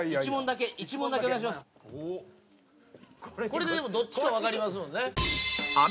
これででもどっちかわかりますもんね。